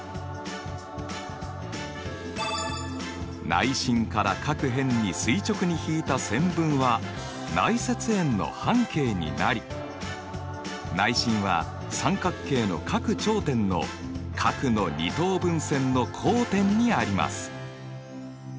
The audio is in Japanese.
内心から各辺に垂直に引いた線分は内接円の半径になり内心は三角形の各頂点の角の二等分線の交点にあります。